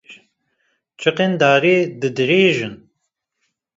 Çiqên darê di dirêjin